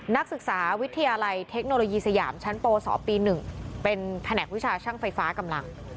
นักศึกษาวิทยาลัยเทคโนโลยีสยามชั้นปศปี๑เป็นแผนกวิชาช่างไฟฟ้ากำลัง